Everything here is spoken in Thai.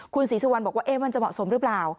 คุณศรีสุวรรณบอกว่ามันจะเหมาะสมหรือเปล่า